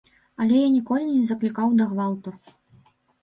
Але я ніколі не заклікаў да гвалту.